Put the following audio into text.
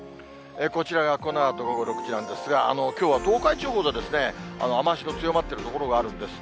こちらがこのあと午後６時なんですが、きょう東海地方で雨足の強まってる所があるんです。